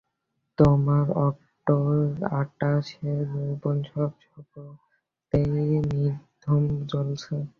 তোমার আটাশে যৌবনের সব সলতেই নির্ধূম জ্বলছে।